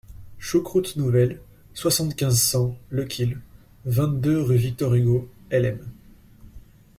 Choucroute nouvelle, soixante-quinze cent, le kil., vingt-deux, rue Victor-Hugo, Hellemmes.